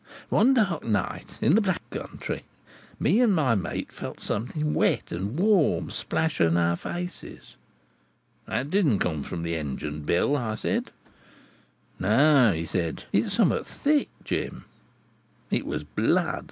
One dark night in the Black Country, me and my mate felt something wet and warm splash in our faces. 'That didn't come from the engine, Bill,' I said. 'No,' he said; 'it's something thick, Jim.' It was blood.